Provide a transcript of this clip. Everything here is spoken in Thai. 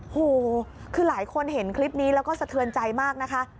โหคือหลายคนเห็นคลิปนี้แล้วก็สะเทือนใจมากนะคะ